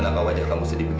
kenapa wajah kamu sedih begitu